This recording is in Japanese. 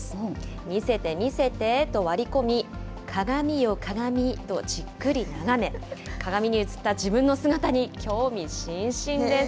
見せて、見せてと割り込み、鏡よ鏡と、じっくり眺め、鏡に映った自分の姿に興味津々です。